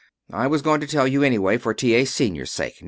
I was going to tell you, anyway, for T. A. Senior's sake.